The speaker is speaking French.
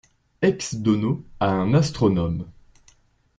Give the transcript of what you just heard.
Ex Dono à un astronome.